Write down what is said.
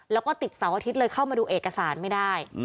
แล้วก็ติดเสาร์อาทิตย์เลยเข้ามาดูเอกสารไม่ได้